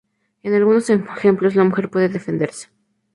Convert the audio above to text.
En algunos ejemplos, la mujer puede defenderse.